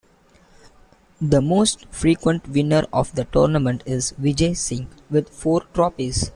The most frequent winner of the tournament is Vijay Singh, with four trophies.